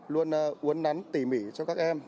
luôn uốn nắn tỉ mỉ cho các em